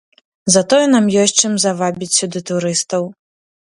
Затое нам ёсць чым завабіць сюды турыстаў.